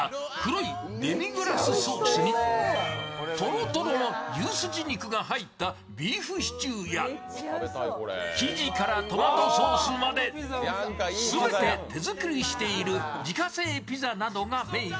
とろとろの牛すじ肉が入ったビーフシチューや生地からトマトソースまですべて手作りしている自家製ピザなどが名物。